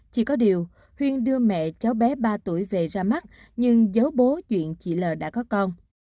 chỉ có điều huyên đưa mẹ cháu bé ba tuổi về ra mắt nhưng dấu bố chuyện chị l đã có con